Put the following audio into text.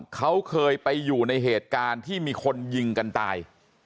เขาเคยไปอยู่ในเหตุการณ์ที่มีคนยิงกันตาย